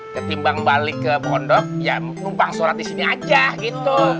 ketimbang balik ke pondok ya numpang sholat disini aja gitu